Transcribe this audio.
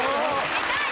見たい！